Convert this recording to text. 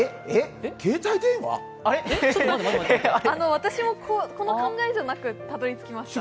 私もこの考えじゃなくたどり着きました。